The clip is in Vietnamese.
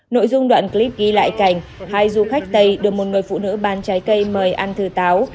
nội dung đoạn clip ghi lại cảnh hai du khách tây được một người phụ nữ bán trái cây mời ăn thừa táo